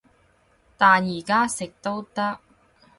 但而家食都得